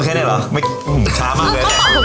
เธอก็ใช้ได้เหรอช้ามากเลย